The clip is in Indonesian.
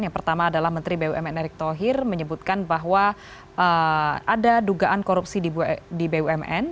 yang pertama adalah menteri bumn erick thohir menyebutkan bahwa ada dugaan korupsi di bumn